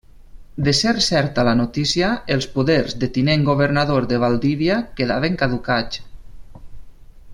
De ser certa la notícia, els poders de tinent governador de Valdivia quedaven caducats.